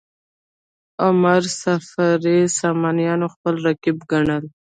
عمر صفاري سامانیان خپل رقیبان ګڼل.